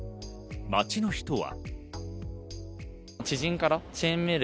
街の人は。